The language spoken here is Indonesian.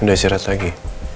udah istirahat lagi